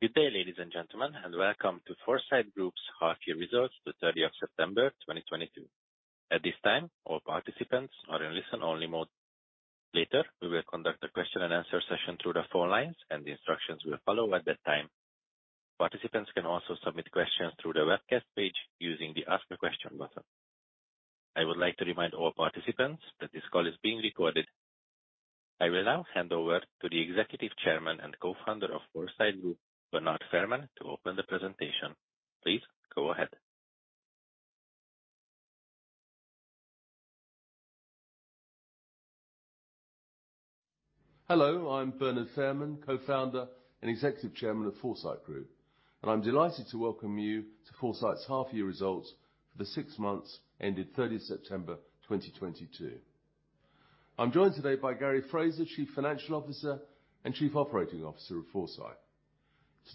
Good day, ladies and gentlemen, and welcome to Foresight Group's half year results, the 3rd day of September 2022. At this time, all participants are in listen-only mode. Later, we will conduct a question and answer session through the phone lines, and the instructions will follow at that time. Participants can also submit questions through the webcast page using the Ask a Question button. I would like to remind all participants that this call is being recorded. I will now hand over to the Executive Chairman and Co-founder of Foresight Group, Bernard Fairman, to open the presentation. Please go ahead. Hello, I'm Bernard Fairman, Co-founder and Executive Chairman of Foresight Group. I'm delighted to welcome you to Foresight's half year results for the six months ending September 3, 2022. I'm joined today by Gary Fraser, Chief Financial Officer and Chief Operating Officer of Foresight.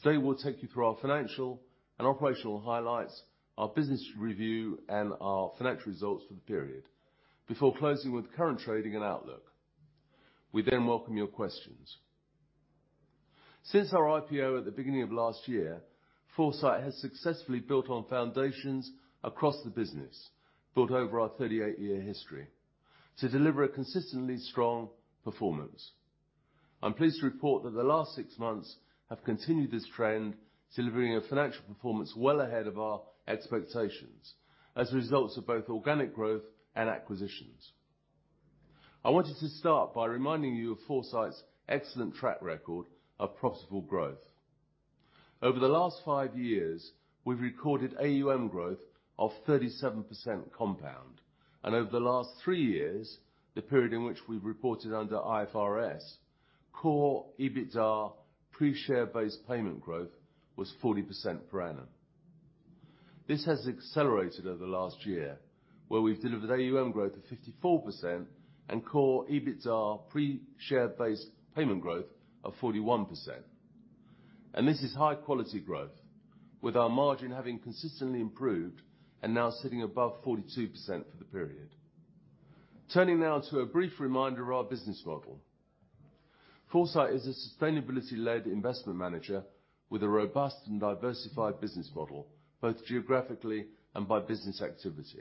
Today, we'll take you through our financial and operational highlights, our business review, and our financial results for the period before closing with current trading and outlook. We welcome your questions. Since our IPO at the beginning of last year, Foresight has successfully built on foundations across the business, built over our 38-year history to deliver a consistently strong performance. I'm pleased to report that the last 6 months have continued this trend, delivering a financial performance well ahead of our expectations as a result of both organic growth and acquisitions. I wanted to start by reminding you of Foresight's excellent track record of profitable growth. Over the last five years, we've recorded AUM growth of 37% compound, and over the last three years, the period in which we reported under IFRS, core EBITDA pre-share-based payment growth was 40% per annum. This has accelerated over the last year, where we've delivered AUM growth of 54% and core EBITDA pre-share-based payment growth of 41%. This is high-quality growth with our margin having consistently improved and now sitting above 42% for the period. Turning now to a brief reminder of our business model. Foresight is a sustainability-led investment manager with a robust and diversified business model, both geographically and by business activity.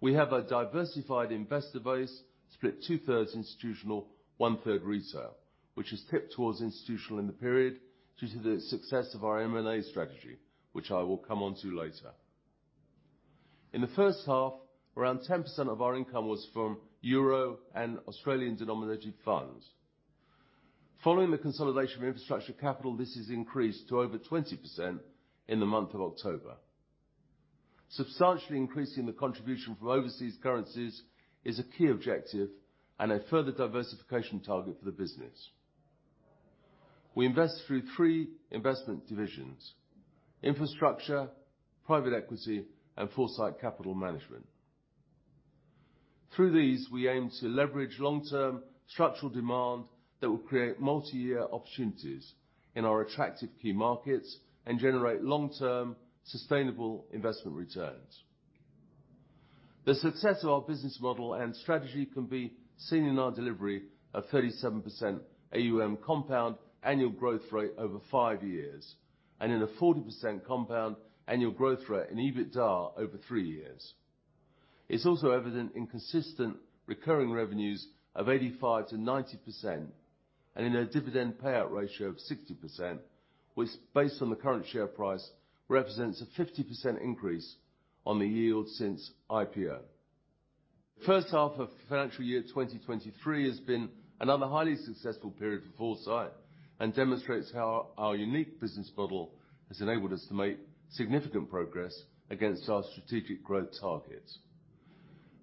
We have a diversified investor base split 2/3 institutional, 1/3 retail, which is tipped towards institutional in the period due to the success of our M&A strategy, which I will come on to later. In the first half, around 10% of our income was from Euro and Australian-denominated funds. Following the consolidation of Infrastructure Capital, this has increased to over 20% in the month of October. Substantially increasing the contribution from overseas currencies is a key objective and a further diversification target for the business. We invest through three investment divisions: infrastructure, private equity, and Foresight Capital Management. Through these, we aim to leverage long-term structural demand that will create multi-year opportunities in our attractive key markets and generate long-term sustainable investment returns. The success of our business model and strategy can be seen in our delivery of 37% AUM compound annual growth rate over five years, and in a 40% compound annual growth rate in EBITDA over three years. It's also evident in consistent recurring revenues of 85%-90%, and in a dividend payout ratio of 60%, which, based on the current share price, represents a 50% increase on the yield since IPO. First half of financial year 2023 has been another highly successful period for Foresight and demonstrates how our unique business model has enabled us to make significant progress against our strategic growth targets.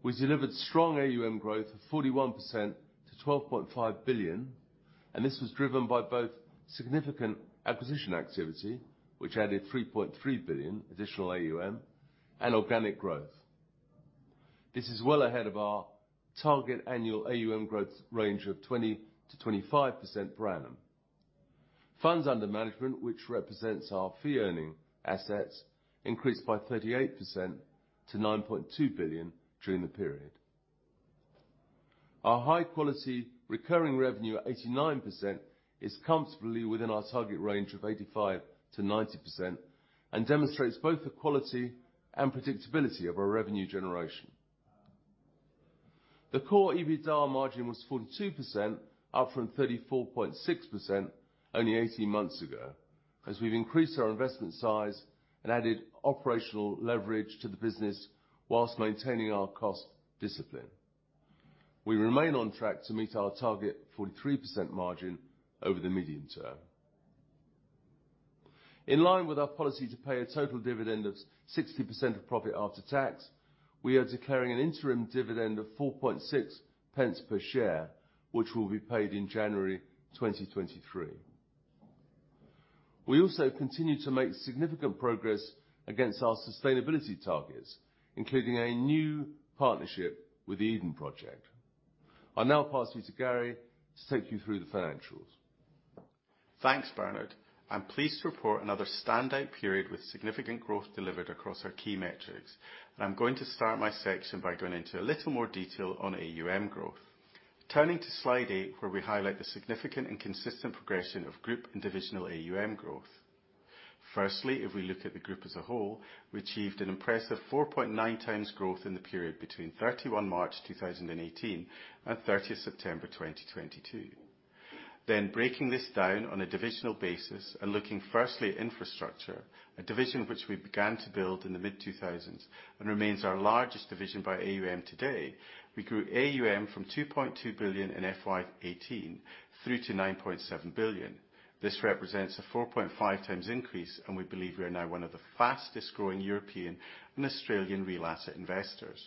We delivered strong AUM growth of 41% to 12.5 billion, and this was driven by both significant acquisition activity, which added 3.3 billion additional AUM and organic growth. This is well ahead of our target annual AUM growth range of 20%-25% per annum. Funds under management, which represents our fee-earning assets, increased by 38% to 9.2 billion during the period. Our high-quality recurring revenue at 89% is comfortably within our target range of 85%-90% and demonstrates both the quality and predictability of our revenue generation. The core EBITDA margin was 42%, up from 34.6% only 18 months ago, as we've increased our investment size and added operational leverage to the business whilst maintaining our cost discipline. We remain on track to meet our target 43% margin over the medium term. In line with our policy to pay a total dividend of 60% of profit after tax, we are declaring an interim dividend of 0.046 per share, which will be paid in January 2023. We also continue to make significant progress against our sustainability targets, including a new partnership with the Eden Project. I'll now pass you to Gary to take you through the financials Thanks, Bernard. I'm pleased to report another standout period with significant growth delivered across our key metrics. I'm going to start my section by going into a little more detail on AUM growth. Turning to slide eight, where we highlight the significant and consistent progression of group and divisional AUM growth. Firstly, if we look at the group as a whole, we achieved an impressive 4.9 times growth in the period between March 31, 2018 and September 30, 2022. Breaking this down on a divisional basis and looking firstly at infrastructure, a division which we began to build in the mid-2000s and remains our largest division by AUM today, we grew AUM from 2.2 billion in FY18 through to 9.7 billion. This represents a 4.5x increase. We believe we are now one of the fastest-growing European and Australian real asset investors.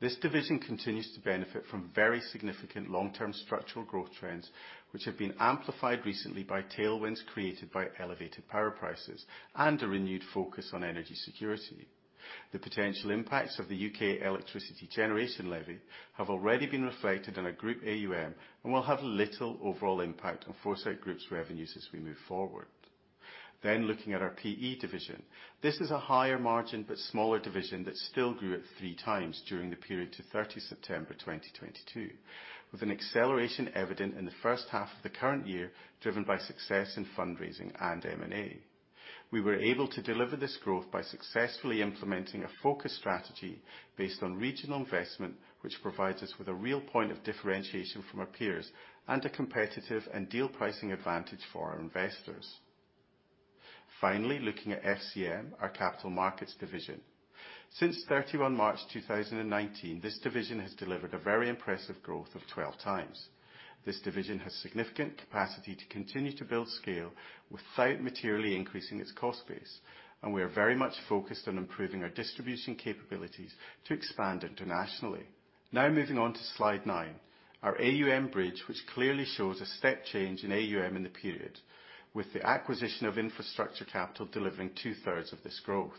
This division continues to benefit from very significant long-term structural growth trends, which have been amplified recently by tailwinds created by elevated power prices and a renewed focus on energy security. The potential impacts of the U.K. Electricity Generator Levy have already been reflected in our Group AUM and will have little overall impact on Foresight Group's revenues as we move forward. Looking at our PE division. This is a higher margin but smaller division that still grew at 3x during the period to September 30, 2022, with an acceleration evident in the first half of the current year driven by success in fundraising and M&A. We were able to deliver this growth by successfully implementing a focus strategy based on regional investment, which provides us with a real point of differentiation from our peers and a competitive and deal pricing advantage for our investors. Looking at FCM, our capital markets division. Since March 31, 2019, this division has delivered a very impressive growth of 12 times. This division has significant capacity to continue to build scale without materially increasing its cost base, and we are very much focused on improving our distribution capabilities to expand internationally. Moving on to slide nine, our AUM bridge, which clearly shows a step change in AUM in the period, with the acquisition of Infrastructure Capital Group delivering two-thirds of this growth.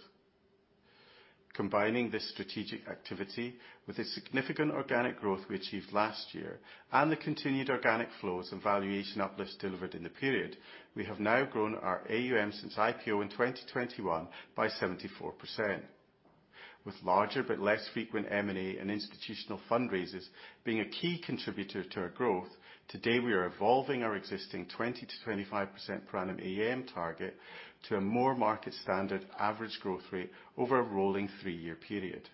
Combining this strategic activity with the significant organic growth we achieved last year and the continued organic flows and valuation uplifts delivered in the period, we have now grown our AUM since IPO in 2021 by 74%. With larger but less frequent M&A and institutional fundraisers being a key contributor to our growth, today we are evolving our existing 20%-25% per annum AUM target to a more market standard average growth rate over a rolling three-year period.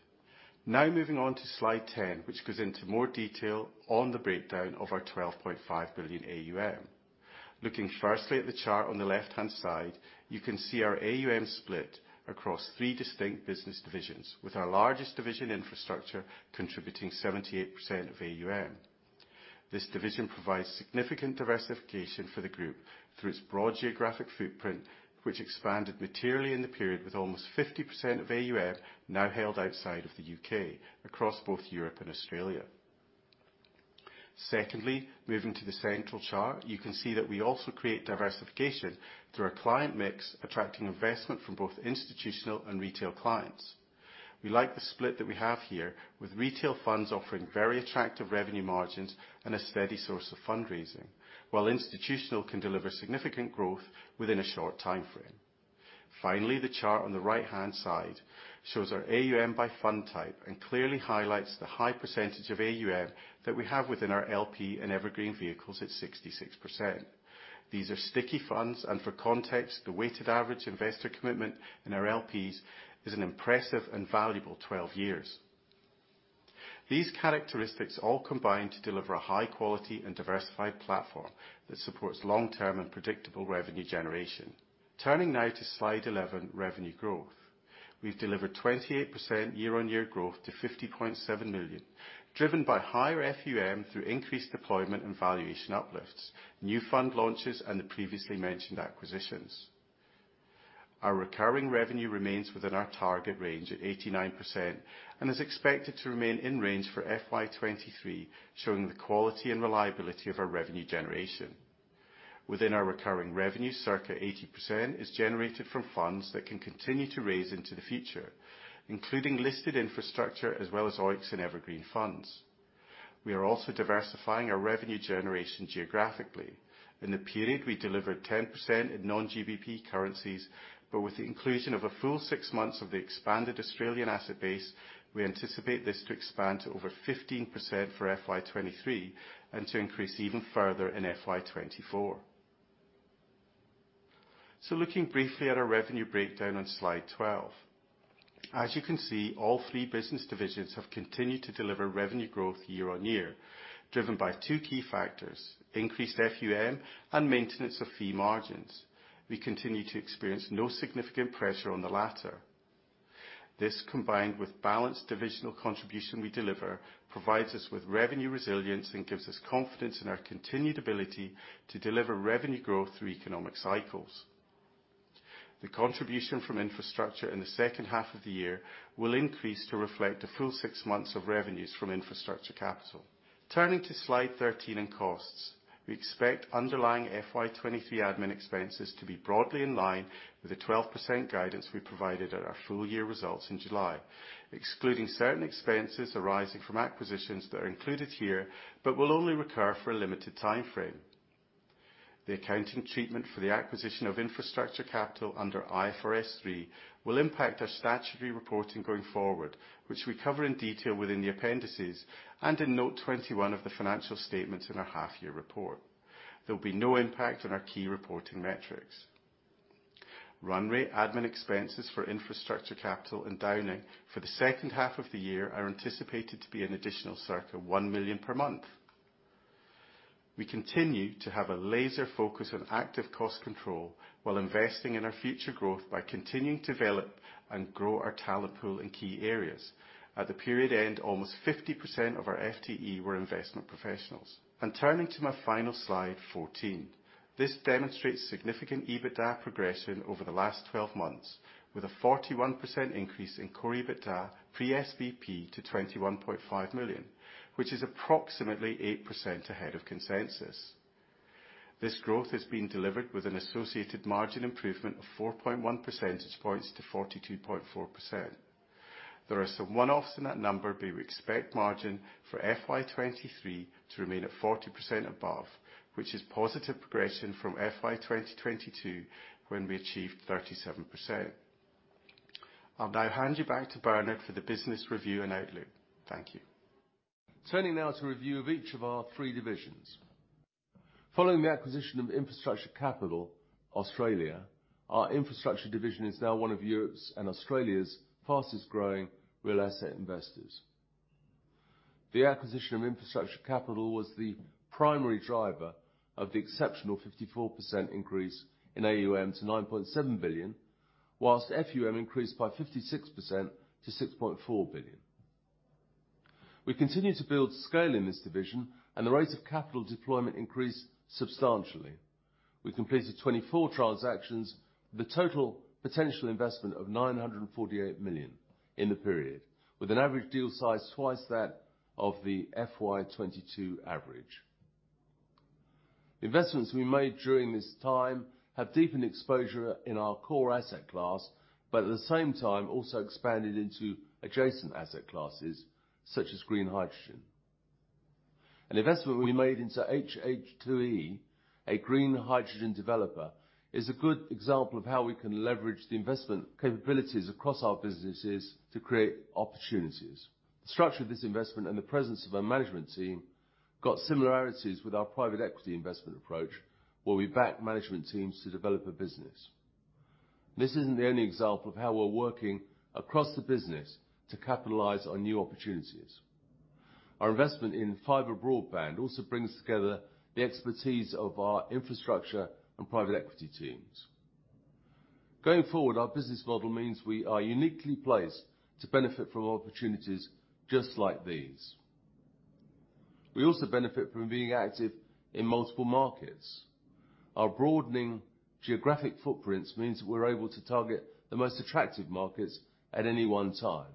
Moving on to slide 10, which goes into more detail on the breakdown of our 12.5 billion AUM. Looking firstly at the chart on the left-hand side, you can see our AUM split across three distinct business divisions, with our largest division, infrastructure, contributing 78% of AUM. This division provides significant diversification for the group through its broad geographic footprint, which expanded materially in the period with almost 50% of AUM now held outside of the U.K. across both Europe and Australia. Moving to the central chart, you can see that we also create diversification through our client mix, attracting investment from both institutional and retail clients. We like the split that we have here, with retail funds offering very attractive revenue margins and a steady source of fundraising, while institutional can deliver significant growth within a short time frame. The chart on the right-hand side shows our AUM by fund type and clearly highlights the high percentage of AUM that we have within our LP and Evergreen vehicles at 66%. These are sticky funds, for context, the weighted average investor commitment in our LPs is an impressive and valuable 12 years. These characteristics all combine to deliver a high quality and diversified platform that supports long-term and predictable revenue generation. Turning now to slide 11, revenue growth. We've delivered 28% year-on-year growth to 50.7 million, driven by higher FUM through increased deployment and valuation uplifts, new fund launches, and the previously mentioned acquisitions. Our recurring revenue remains within our target range at 89% and is expected to remain in range for FY 2023, showing the quality and reliability of our revenue generation. Within our recurring revenue, circa 80% is generated from funds that can continue to raise into the future, including listed infrastructure as well as OEICs and Evergreen funds. We are also diversifying our revenue generation geographically. In the period, we delivered 10% in non-GBP currencies, but with the inclusion of a full six months of the expanded Australian asset base, we anticipate this to expand to over 15% for FY 2023 and to increase even further in FY 2024. Looking briefly at our revenue breakdown on slide 12. As you can see, all three business divisions have continued to deliver revenue growth year-on-year, driven by two key factors, increased FUM and maintenance of fee margins. We continue to experience no significant pressure on the latter. This, combined with balanced divisional contribution we deliver, provides us with revenue resilience and gives us confidence in our continued ability to deliver revenue growth through economic cycles. The contribution from infrastructure in the second half of the year will increase to reflect a full six months of revenues from Infrastructure Capital. Turning to slide 13 and costs. We expect underlying FY 2023 admin expenses to be broadly in line with the 12% guidance we provided at our full year results in July, excluding certain expenses arising from acquisitions that are included here, but will only recur for a limited time frame. The accounting treatment for the acquisition of Infrastructure Capital under IFRS 3 will impact our statutory reporting going forward, which we cover in detail within the appendices and in note 21 of the financial statements in our half year report. There will be no impact on our key reporting metrics. Run rate admin expenses for Infrastructure Capital and Downing for the second half of the year are anticipated to be an additional circa 1 million per month. We continue to have a laser focus on active cost control while investing in our future growth by continuing to develop and grow our talent pool in key areas. At the period end, almost 50% of our FTE were investment professionals. Turning to my final slide, 14. This demonstrates significant EBITDA progression over the last 12 months, with a 41% increase in core EBITDA pre-SBP to 21.5 million, which is approximately 8% ahead of consensus. This growth has been delivered with an associated margin improvement of 4.1 percentage points to 42.4%. There are some one-offs in that number, we expect margin for FY 2023 to remain at 40% above, which is positive progression from FY 2022, when we achieved 37%. I'll now hand you back to Bernard for the business review and outlook. Thank you. Turning now to review of each of our three divisions. Following the acquisition of Infrastructure Capital Group, our infrastructure division is now one of Europe's and Australia's fastest growing real asset investors. The acquisition of Infrastructure Capital was the primary driver of the exceptional 54% increase in AUM to 9.7 billion, whilst FUM increased by 56% to 6.4 billion. We continue to build scale in this division. The rate of capital deployment increased substantially. We completed 24 transactions, the total potential investment of 948 million in the period, with an average deal size twice that of the FY 2022 average. Investments we made during this time have deepened exposure in our core asset class, but at the same time also expanded into adjacent asset classes such as green hydrogen. An investment we made into HH2E, a green hydrogen developer, is a good example of how we can leverage the investment capabilities across our businesses to create opportunities. The structure of this investment and the presence of a management team got similarities with our private equity investment approach, where we back management teams to develop a business. This isn't the only example of how we're working across the business to capitalize on new opportunities. Our investment in fiber broadband also brings together the expertise of our infrastructure and private equity teams. Going forward, our business model means we are uniquely placed to benefit from opportunities just like these. We also benefit from being active in multiple markets. Our broadening geographic footprints means we're able to target the most attractive markets at any one time.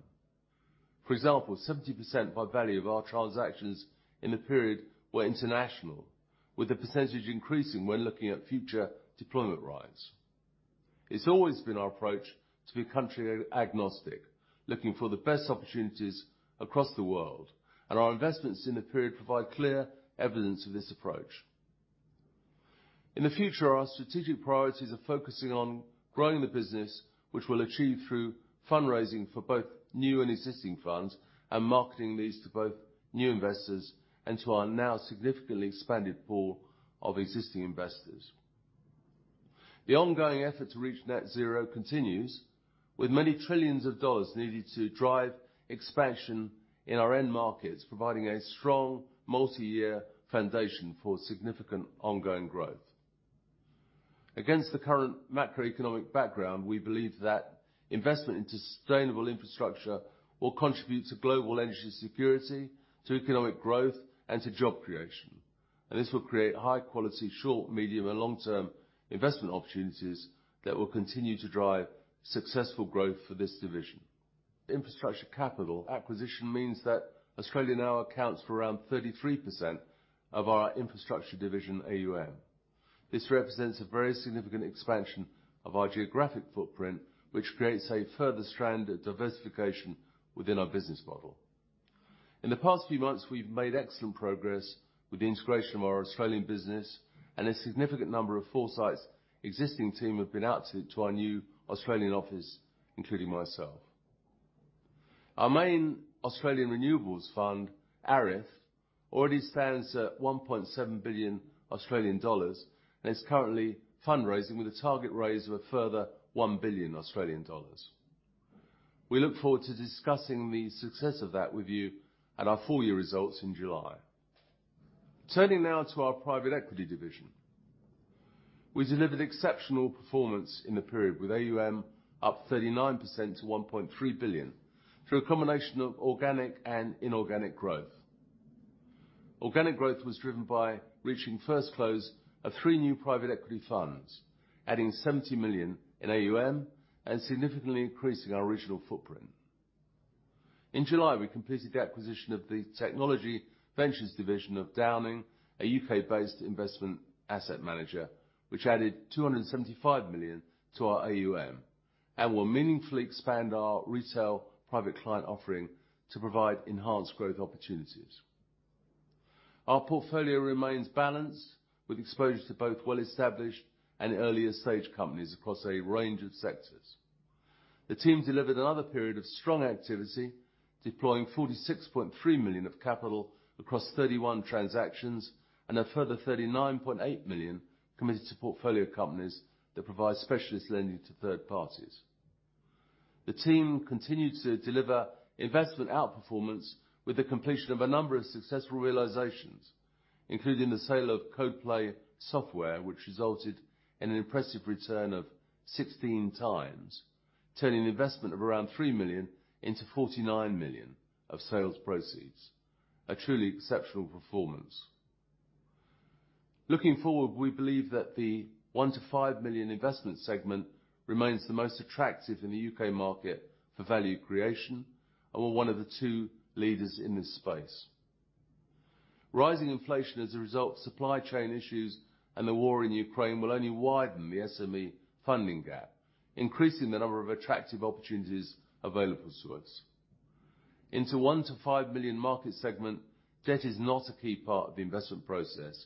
For example, 70% by value of our transactions in the period were international, with the percentage increasing when looking at future deployment rise. It's always been our approach to be country agnostic, looking for the best opportunities across the world, and our investments in the period provide clear evidence of this approach. In the future, our strategic priorities are focusing on growing the business, which we'll achieve through fundraising for both new and existing funds and marketing these to both new investors and to our now significantly expanded pool of existing investors. The ongoing effort to reach net zero continues, with many trillions of dollars needed to drive expansion in our end markets, providing a strong multi-year foundation for significant ongoing growth. Against the current macroeconomic background, we believe that investment in sustainable infrastructure will contribute to global energy security, to economic growth, and to job creation. This will create high quality, short, medium, and long-term investment opportunities that will continue to drive successful growth for this division. Infrastructure capital acquisition means that Australian now accounts for around 33% of our infrastructure division AUM. This represents a very significant expansion of our geographic footprint, which creates a further strand of diversification within our business model. In the past few months, we've made excellent progress with the integration of our Australian business and a significant number of Foresight's existing team have been out to our new Australian office, including myself. Our main Australian renewables fund, ARIF, already stands at 1.7 billion Australian dollars and is currently fundraising with a target raise of a further 1 billion Australian dollars. We look forward to discussing the success of that with you at our full year results in July. Turning now to our private equity division. We delivered exceptional performance in the period, with AUM up 39% to 1.3 billion, through a combination of organic and inorganic growth. Organic growth was driven by reaching first close of three new private equity funds, adding 70 million in AUM and significantly increasing our original footprint. In July, we completed the acquisition of the technology ventures division of Downing, a U.K.-based investment asset manager, which added 275 million to our AUM. Will meaningfully expand our retail private client offering to provide enhanced growth opportunities. Our portfolio remains balanced, with exposure to both well-established and earlier-stage companies across a range of sectors. The team delivered another period of strong activity, deploying 46.3 million of capital across 31 transactions, and a further 39.8 million committed to portfolio companies that provide specialist lending to third parties. The team continued to deliver investment outperformance with the completion of a number of successful realizations, including the sale of Codeplay Software, which resulted in an impressive return of 16x, turning investment of around 3 million into 49 million of sales proceeds. A truly exceptional performance. Looking forward, we believe that the 1 million-5 million investment segment remains the most attractive in the U.K. market for value creation, and we're one of the two leaders in this space. Rising inflation as a result of supply chain issues and the war in Ukraine will only widen the SME funding gap, increasing the number of attractive opportunities available to us. Into 1 million-5 million market segment, debt is not a key part of the investment process,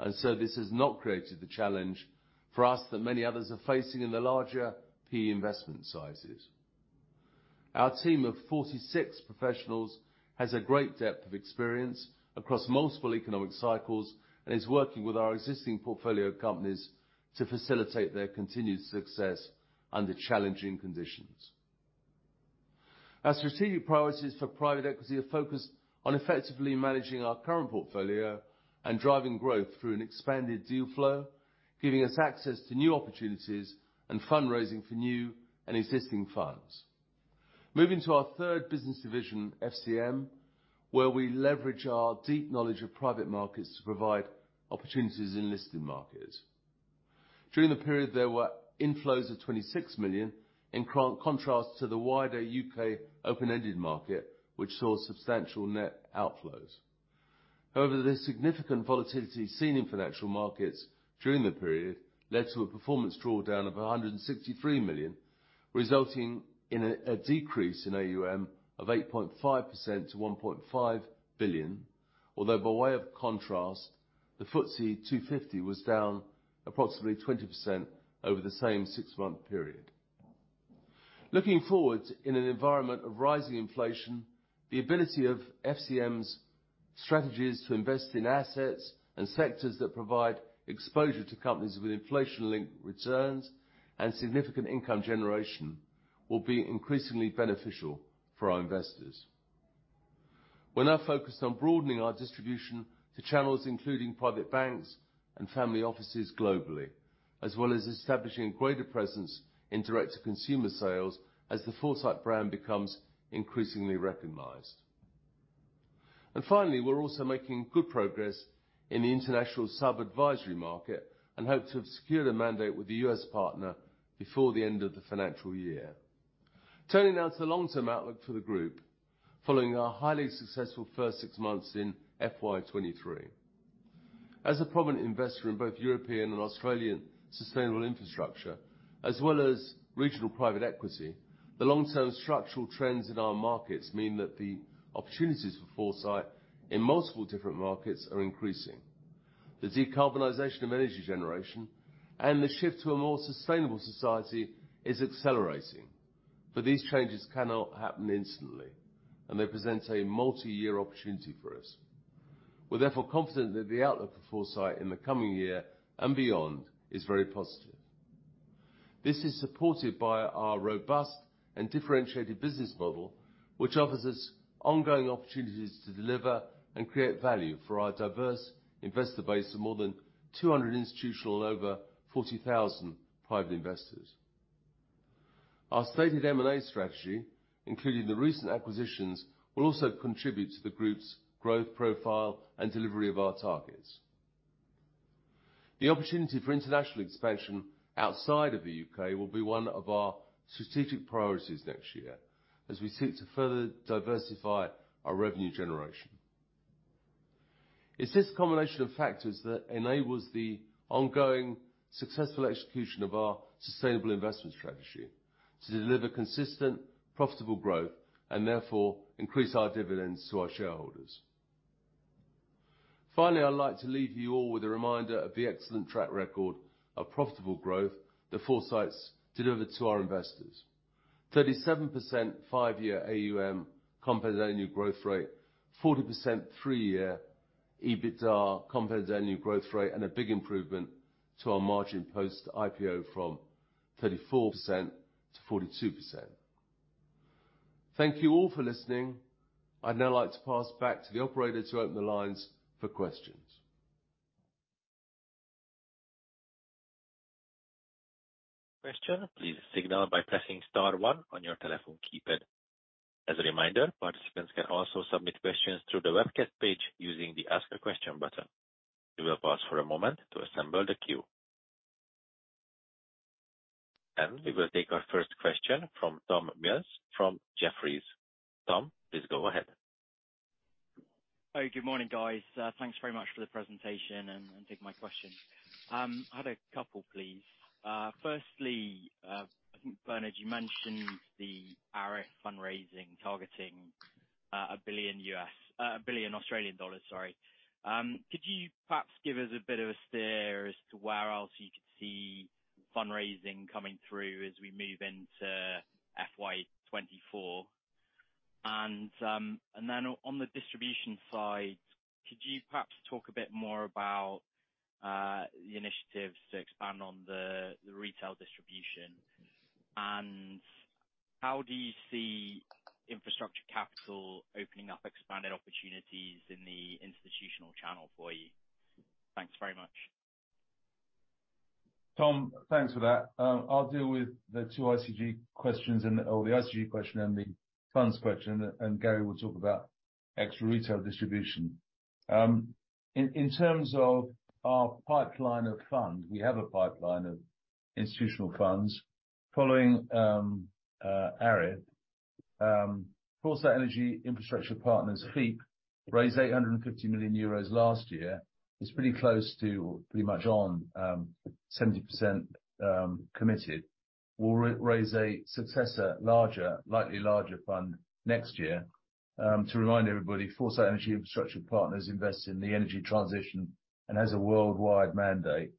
and so this has not created the challenge for us that many others are facing in the larger PE investment sizes. Our team of 46 professionals has a great depth of experience across multiple economic cycles, and is working with our existing portfolio companies to facilitate their continued success under challenging conditions. Our strategic priorities for private equity are focused on effectively managing our current portfolio and driving growth through an expanded deal flow, giving us access to new opportunities and fundraising for new and existing funds. Moving to our third business division, FCM, where we leverage our deep knowledge of private markets to provide opportunities in listed markets. During the period, there were inflows of 26 million, in contrast to the wider U.K. open-ended market, which saw substantial net outflows. However, the significant volatility seen in financial markets during the period led to a performance drawdown of 163 million, resulting in a decrease in AUM of 8.5% to 1.5 billion. By way of contrast, the FTSE 250 was down approximately 20% over the same 6-month period. Looking forward, in an environment of rising inflation, the ability of FCM's strategies to invest in assets and sectors that provide exposure to companies with inflation-linked returns and significant income generation will be increasingly beneficial for our investors. We're now focused on broadening our distribution to channels, including private banks and family offices globally, as well as establishing a greater presence in direct-to-consumer sales as the Foresight brand becomes increasingly recognized. Finally, we're also making good progress in the international sub-advisory market and hope to have secured a mandate with a U.S. partner before the end of the financial year. Turning now to the long-term outlook for the group, following our highly successful first six months in FY 2023. As a prominent investor in both European and Australian sustainable infrastructure, as well as regional private equity, the long-term structural trends in our markets mean that the opportunities for Foresight in multiple different markets are increasing. The decarbonization of energy generation and the shift to a more sustainable society is accelerating, but these changes cannot happen instantly, and they present a multi-year opportunity for us. We're therefore confident that the outlook for Foresight in the coming year and beyond is very positive. This is supported by our robust and differentiated business model, which offers us ongoing opportunities to deliver and create value for our diverse investor base of more than 200 institutional and over 40,000 private investors. Our stated M&A strategy, including the recent acquisitions, will also contribute to the group's growth profile and delivery of our targets. The opportunity for international expansion outside of the U.K. will be one of our strategic priorities next year as we seek to further diversify our revenue generation. It's this combination of factors that enables the ongoing successful execution of our sustainable investment strategy to deliver consistent, profitable growth and therefore increase our dividends to our shareholders. Finally, I'd like to leave you all with a reminder of the excellent track record of profitable growth that Foresight's delivered to our investors. 37% five-year AUM compounded annual growth rate, 40% three-year EBITDA compounded annual growth rate, and a big improvement to our margin post IPO from 34% to 42%. Thank you all for listening. I'd now like to pass back to the operator to open the lines for questions. Question, please signal by pressing star one on your telephone keypad. As a reminder, participants can also submit questions through the webcast page using the Ask a Question button. We will pause for a moment to assemble the queue. We will take our first question from Tom Mills from Jefferies. Tom, please go ahead. Good morning, guys. Thanks very much for the presentation and taking my question. I had a couple, please. Firstly, I think, Bernard, you mentioned the ARIF fundraising targeting 1 billion Australian dollars, sorry. Could you perhaps give us a bit of a steer as to where else you could see fundraising coming through as we move into FY 2024? Then on the distribution side, could you perhaps talk a bit more about the initiatives to expand on the retail distribution? How do you see Infrastructure Capital Group opening up expanded opportunities in the institutional channel for you? Thanks very much. Tom, thanks for that. I'll deal with the two ICG questions and the ICG question and the funds question, and Gary will talk about ex-retail distribution. In terms of our pipeline of funds, we have a pipeline of institutional funds following ARIF. Foresight Energy Infrastructure Partners, FEIP, raised 850 million euros last year. It's pretty close to, pretty much on, 70% committed. We'll raise a successor larger, likely larger fund next year. To remind everybody, Foresight Energy Infrastructure Partners invest in the energy transition and has a worldwide mandate.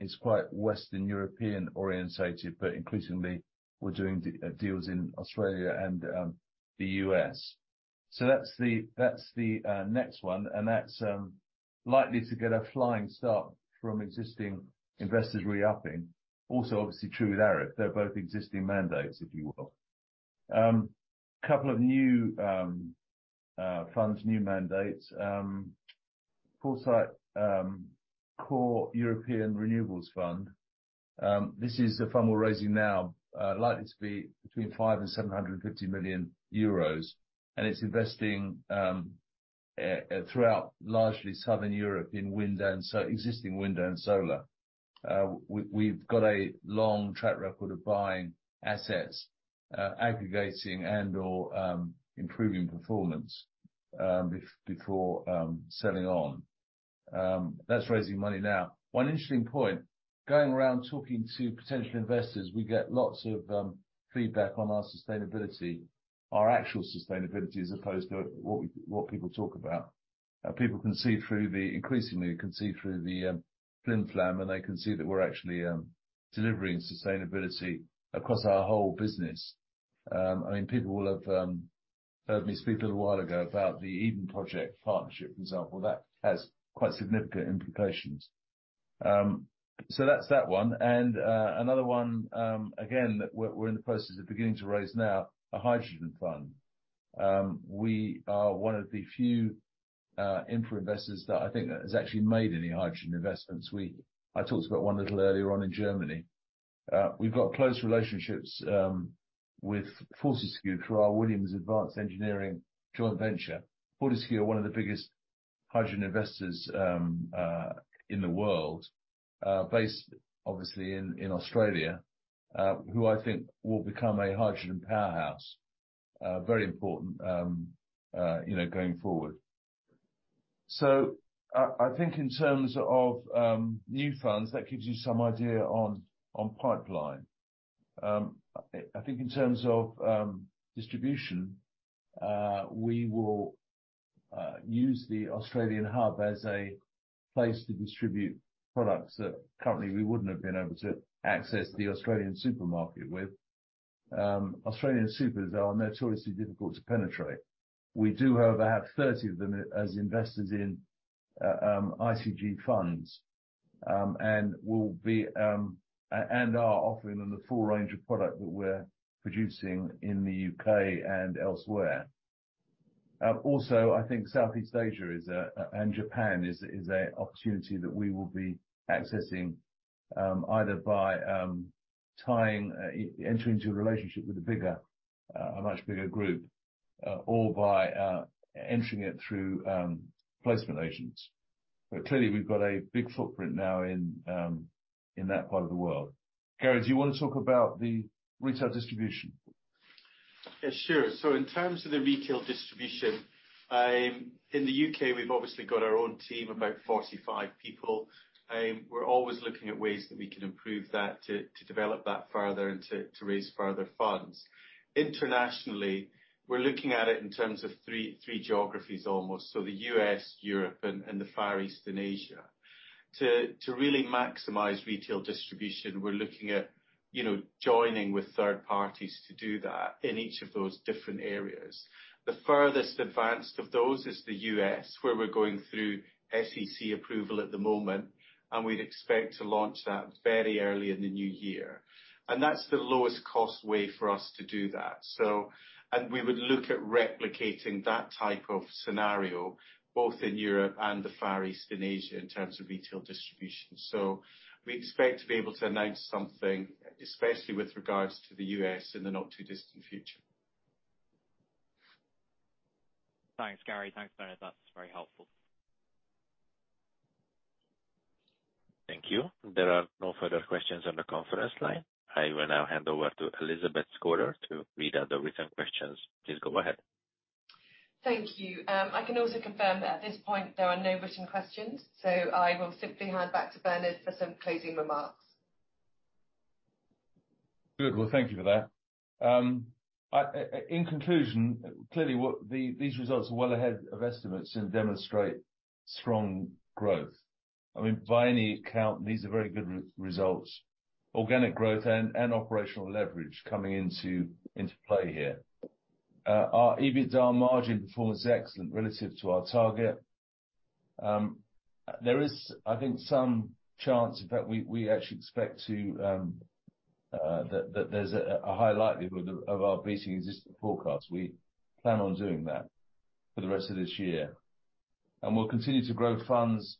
It's quite Western European-oriented, but increasingly we're doing deals in Australia and the U.S.. That's the next one, and that's likely to get a flying start from existing investors re-upping. Also, obviously true with ARIF. They're both existing mandates, if you will. A couple of new funds, new mandates. Foresight Core European Renewables Fund, this is a fund we're raising now, likely to be between 5 million and 750 million euros, and it's investing throughout largely Southern Europe in wind and existing wind and solar. We've got a long track record of buying assets, aggregating and/or improving performance, before selling on. That's raising money now. One interesting point, going around talking to potential investors, we get lots of feedback on our sustainability, our actual sustainability as opposed to what we, what people talk about. People can see through the increasingly can see through the flimflam, and they can see that we're actually delivering sustainability across our whole business. People will have heard me speak a little while ago about the Eden Project partnership, for example. That has quite significant implications. That's that one. Another one, again, that we're in the process of beginning to raise now, a hydrogen fund. We are one of the few infra investors that I think has actually made any hydrogen investments. I talked about one a little earlier on in Germany. We've got close relationships with Fortescue through our Williams Advanced Engineering joint venture. Fortescue are one of the biggest hydrogen investors in the world, based obviously in Australia, who I think will become a hydrogen powerhouse. Very important, you know, going forward. I think in terms of new funds, that gives you some idea on pipeline. I think in terms of distribution, we will use the Australian hub as a place to distribute products that currently we wouldn't have been able to access the Australian supermarket with. Australian supers are notoriously difficult to penetrate. We do, however, have 30 of them as investors in ICG funds and are offering them the full range of product that we're producing in the U.K. and elsewhere. I think Southeast Asia is a, and Japan is a opportunity that we will be accessing either by tying, entering into a relationship with a bigger, a much bigger group, or by entering it through placement agents. Clearly, we've got a big footprint now in that part of the world. Gary, do you wanna talk about the retail distribution? Yeah, sure. In terms of the retail distribution, in the U.K., we've obviously got our own team, about 45 people. We're always looking at ways that we can improve that to develop that further and to raise further funds. Internationally, we're looking at it in terms of three geographies almost, so the U.S., Europe, and the Far East in Asia. To really maximize retail distribution, we're looking at, you know, joining with third parties to do that in each of those different areas. The furthest advanced of those is the U.S., where we're going through SEC approval at the moment, and we'd expect to launch that very early in the new year. That's the lowest cost way for us to do that. We would look at replicating that type of scenario both in Europe and the Far East in Asia in terms of retail distribution. We expect to be able to announce something, especially with regards to the U.S., in the not too distant future. Thanks, Gary. Thanks, Bernard. That's very helpful. Thank you. There are no further questions on the conference line. I will now hand over to Elizabeth Scorer to read out the recent questions. Please go ahead. Thank you. I can also confirm that at this point there are no written questions. I will simply hand back to Bernard for some closing remarks. Good. Well, thank you for that. In conclusion, clearly these results are well ahead of estimates and demonstrate strong growth. I mean, by any account, these are very good results. Organic growth and operational leverage coming into play here. Our EBITDA margin performance is excellent relative to our target. There is, I think, some chance, in fact, we actually expect that there's a high likelihood of our beating existing forecast. We plan on doing that for the rest of this year. We'll continue to grow funds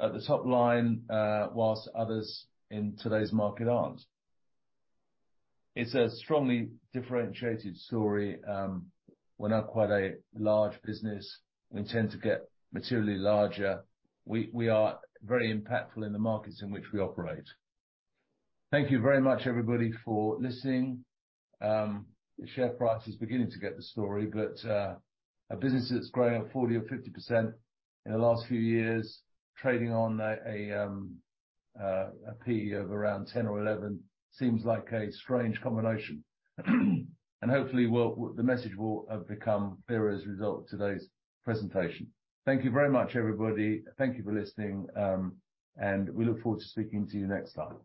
at the top line, whilst others in today's market aren't. It's a strongly differentiated story. We're now quite a large business. We intend to get materially larger. We are very impactful in the markets in which we operate. Thank you very much, everybody, for listening. The share price is beginning to get the story, a business that's grown 40% or 50% in the last few years, trading on a P/E of around 10 or 11 seems like a strange combination. Hopefully the message will have become clearer as a result of today's presentation. Thank you very much, everybody. Thank you for listening, We look forward to speaking to you next time.